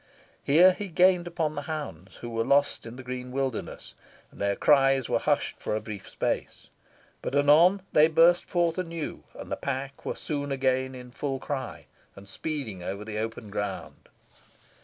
Here he gained upon the hounds, who were lost in the green wilderness, and their cries were hushed for a brief space but anon they burst forth anew, and the pack were soon again in full cry, and speeding over the open ground.